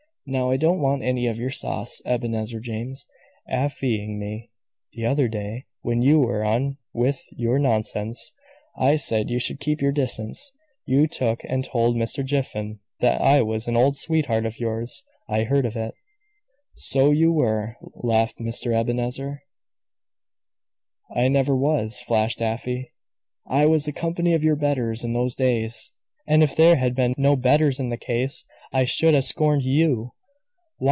"Now, I don't want any of your sauce, Ebenezer James. Afy ing me! The other day, when you were on with your nonsense, I said you should keep your distance. You took and told Mr. Jiffin that I was an old sweetheart of yours. I heard of it." "So you were," laughed Mr. Ebenezer. "I never was," flashed Afy. "I was the company of your betters in those days: and if there had been no betters in the case, I should have scorned you.